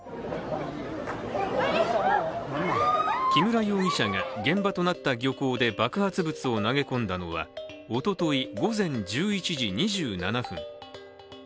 木村容疑者が現場となった漁港で爆発物を投げ込んだのはおととい午前１１時２７分。